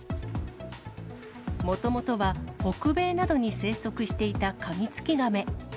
もともとは、北米などに生息していたカミツキガメ。